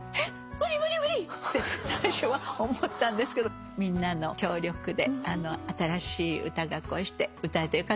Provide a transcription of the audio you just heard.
無理無理無理って最初は思ったんですけどみんなの協力で新しい歌がこうして歌えてよかったです。